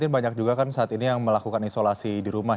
banyak juga kan saat ini yang melakukan isolasi di rumah